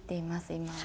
今は。